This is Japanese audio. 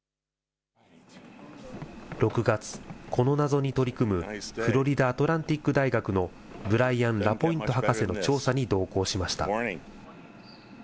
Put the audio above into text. ６月、この謎に取り組むフロリダ・アトランティック大学のブライアン・ラポイント博士の調査に同行しました。